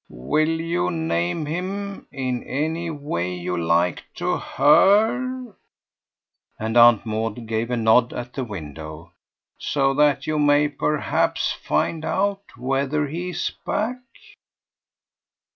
"Will you name him, in any way you like, to HER" and Aunt Maud gave a nod at the window; "so that you may perhaps find out whether he's back?"